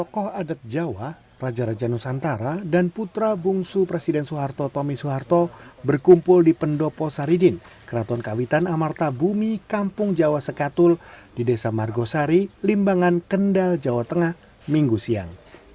ketika berkumpul di kraton kawitan amar tabubi kampung jawa sekatul kendal jawa tengah pada minggu siang